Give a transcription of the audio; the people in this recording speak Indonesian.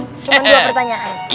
cuma dua pertanyaan